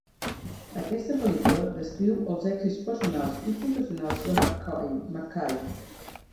Aquesta pel·lícula descriu els èxits personals i professionals de McKay.